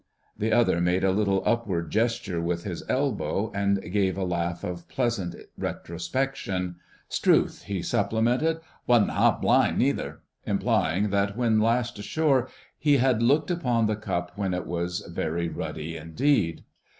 The other made a little upward gesture with his elbow and gave a laugh of pleasant retrospection. "'Strewth!" he supplemented. "Wasn't 'arf blind, neither," implying that when last ashore he had looked upon the cup when it was very ruddy indeed.